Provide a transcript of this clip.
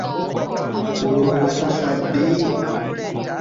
Olwo oba toswadde?